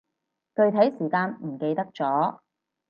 具體時間唔記得咗